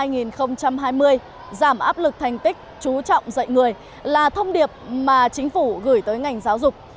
giảm áp lực thành tích chú trọng dạy người là thông điệp mà chính phủ gửi tới ngành giáo dục